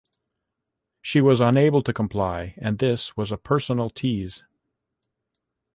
She was unable to comply and this was a personal tease.